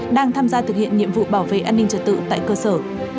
đang tham gia thực hiện nhiệm vụ bảo vệ an ninh trật tự tại cơ sở